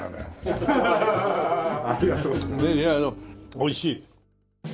おいしい！